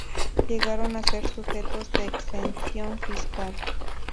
Llegaron a ser sujetos de exención fiscal.